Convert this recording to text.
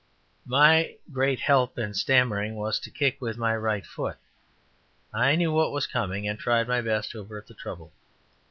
My great help in stammering was to kick with my right foot. I knew what was coming, and tried my best to avert the trouble.